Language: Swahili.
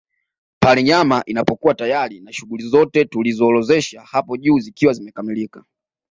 Pale nyama inapokuwa tayari na shughuli zote tulizoziorodhesha hapo juu zikiwa zimekamilika